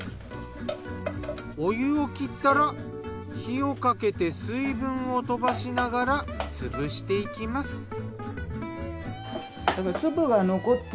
お湯を切ったら火をかけて水分を飛ばしながら潰していきます。